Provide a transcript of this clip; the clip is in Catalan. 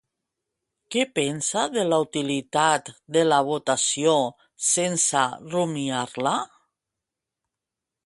Què pensa de la utilitat de la votació sense rumiar-la?